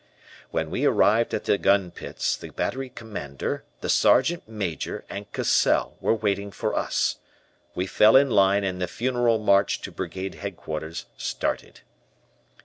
"When we arrived at the gun pits, the Battery Commander, the Sergeant Major, and Cassell were waiting for us. We fell in line and the funeral march to Brigade Headquarters started.